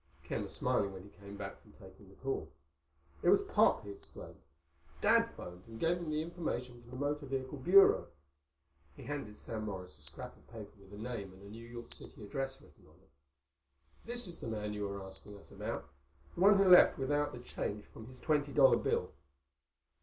Ken was smiling when he came back from taking the call. "It was Pop," he explained. "Dad phoned and gave him the information from the Motor Vehicle Bureau." He handed Sam Morris a scrap of paper with a name and a New York City address written on it. "This is the man you were asking us about—the one who left without the change from his twenty dollar bill."